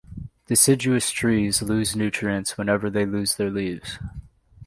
Deciduous trees lose nutrients whenever they lose their leaves.